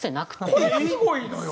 これがすごいのよ。